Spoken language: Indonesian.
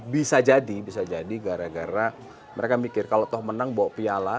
bisa jadi bisa jadi gara gara mereka mikir kalau toh menang bawa piala